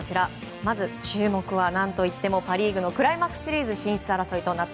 まず注目は何といってもパ・リーグのクライマックスシリーズ進出争いです。